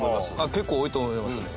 堤：結構多いと思いますね。